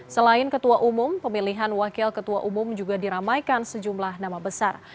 selain ketua umum pemilihan wakil ketua umum juga diramaikan sejumlah nama besar